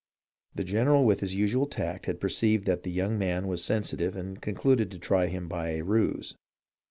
The general with his usual tact had perceived that the young man was sensitive and concluded to try him by a ruse.